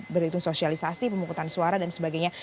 berhitung sosialisasi pemungutan suara dan sebagainya